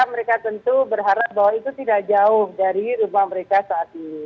mereka tentu berharap bahwa itu tidak jauh dari rumah mereka saat ini